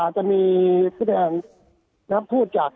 จะมีผู้หญ่มาพูดจาก